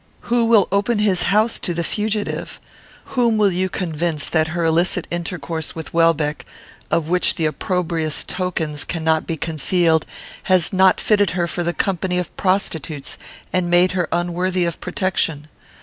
Who will open his house to the fugitive? Whom will you convince that her illicit intercourse with Welbeck, of which the opprobrious tokens cannot be concealed, has not fitted her for the company of prostitutes, and made her unworthy of protection?